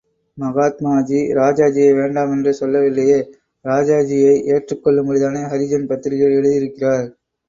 மகாத்மாஜி ராஜாஜியை வேண்டாம் என்று சொல்லவில்லையே, ராஜாஜியை ஏற்றுக் கொள்ளும்படிதானே ஹரிஜன் பத்திரிகையில் எழுதியிருக்கிறார்.